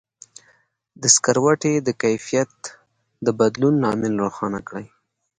د سکروټي د کیفیت د بدلون لامل روښانه کړئ.